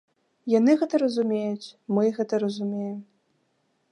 Яны гэта разумеюць, мы гэта разумеем.